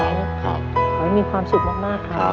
ขอให้มีความสุขมากครับ